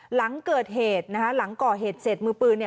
หลังเกิดเหตุเสร็จมือปืนนะ